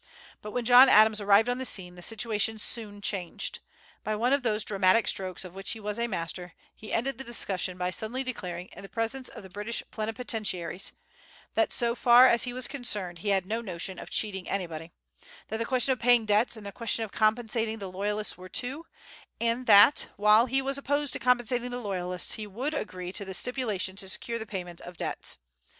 But when John Adams arrived on the scene, the situation soon changed. By one of those dramatic strokes of which he was a master, he ended the discussion by suddenly declaring, in the presence of the British plenipotentiaries, that, so far as he was concerned, he "had no notion of cheating anybody;" that the question of paying debts and the question of compensating the loyalists were two; and that, while he was opposed to compensating the loyalists, he would agree to a stipulation to secure the payment of debts.